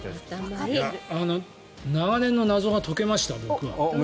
長年の謎が解けました。